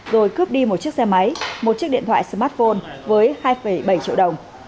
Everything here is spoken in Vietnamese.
rồi cướp đi một chiếc xe máy một chiếc điện thoại smartphone với hai bảy triệu đồng